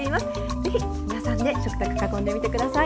是非皆さんで食卓囲んでみて下さい。